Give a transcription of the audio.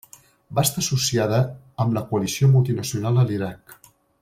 Va estar associada amb la Coalició multinacional a l'Iraq.